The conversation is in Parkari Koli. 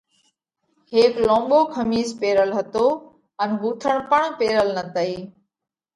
هيڪ لونٻو کمِيس پيرل هتو ان ۿُونٿڻ پڻ پيرل نتئِي۔